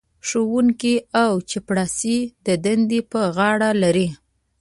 ښوونکی او چپړاسي دندې پر غاړه لري.